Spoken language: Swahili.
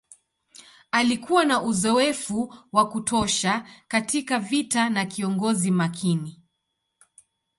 Alikuwa na uzoefu wa kutosha katika vita na kiongozi makini.